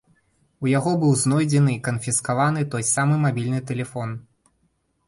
У яго быў знойдзены і канфіскаваны той самы мабільны тэлефон.